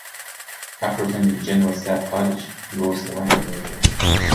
After attending General Staff College, he rose to the rank of Major.